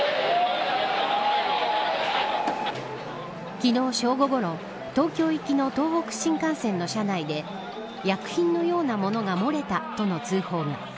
昨日、正午ごろ東京行きの東北新幹線の車内で薬品のようなものが漏れたとの通報が。